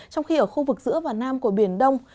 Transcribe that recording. trong khi ở khu vực giữa và nam của biển đông